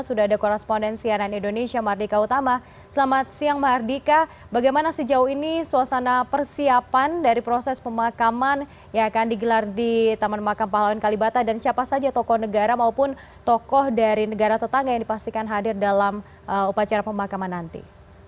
selamat siang mardika bagaimana sejauh ini suasana persiapan dari proses pemakaman yang akan digelar di taman makam pahlawan kalibata dan siapa saja tokoh negara maupun tokoh dari negara tetangga yang dipastikan hadir dalam upacara pemakaman nanti